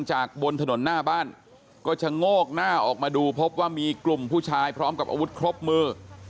บนถนนหน้าบ้านก็ชะโงกหน้าออกมาดูพบว่ามีกลุ่มผู้ชายพร้อมกับอาวุธครบมือ